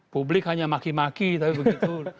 publik hanya maki maki tapi begitu